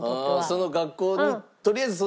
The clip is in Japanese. その学校にとりあえず。